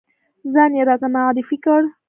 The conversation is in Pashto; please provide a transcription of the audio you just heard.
ځان یې راته معرفی کړ.